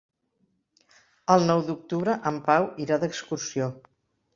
El nou d'octubre en Pau irà d'excursió.